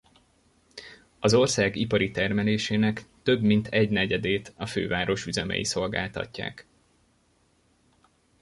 Az ország ipari termelésének több mint egynegyedét a főváros üzemei szolgáltatják.